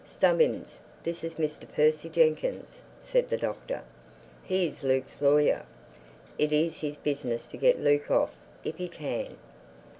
"Stubbins, this is Mr. Percy Jenkyns," said the Doctor. "He is Luke's lawyer. It is his business to get Luke off—if he can."